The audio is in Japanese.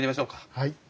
はい。